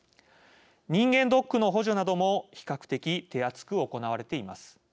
人間ドックの補助なども比較的、手厚く行われています。